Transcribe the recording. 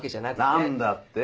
何だって？